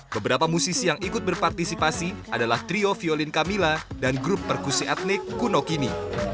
beberapa musisi yang ikut berpartisipasi adalah trio violin camilla dan grup perkusi etnik kunokimi